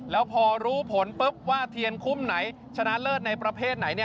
แล้วพอรู้ผลปุ๊บว่าเทียนคุ้มไหนชนะเลิศในประเภทไหน